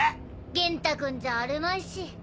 元太君じゃあるまいし。